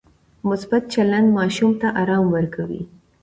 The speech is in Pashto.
مثبت چلند ماشوم ته ارام ورکوي.